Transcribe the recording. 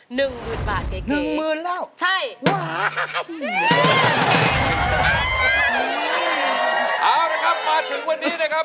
หนึ่งหมื่นบาทเก่ง